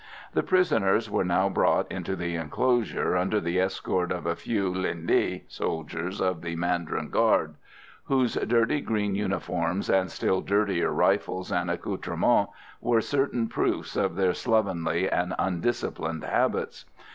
The prisoners were now brought into the enclosure, under the escort of a few linh le (soldiers of the mandarin guard), whose dirty green uniforms and still dirtier rifles and accoutrements were certain proofs of their slovenly and undisciplined habits.